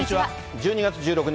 １２月１６日